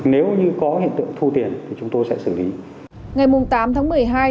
nếu như có hiện tượng thu tiền thì chúng tôi sẽ xử lý